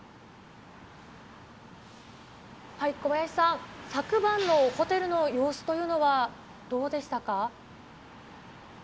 小林さん、昨晩のホテルの様子というのはどうでしたか？